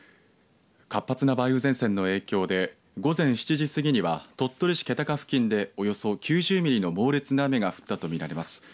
活発な梅雨前線の影響で午前７時過ぎには鳥取市気高付近でおよそ９０ミリの猛烈な雨が降ったと見られます。